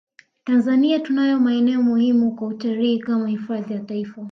Tanzania tunayo maeneo muhimu kwa utalii kama hifadhi za taifa